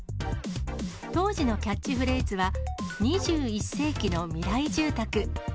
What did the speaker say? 当時のキャッチフレーズは、２１世紀の未来住宅。